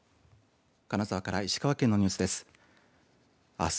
金沢から石川県のニュースです。